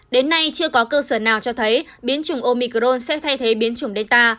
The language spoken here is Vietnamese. đến nay chưa có cơ sở nào cho thấy biến chủng omicron sẽ thay thế biến chủng delta